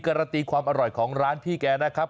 การันตีความอร่อยของร้านพี่แกนะครับ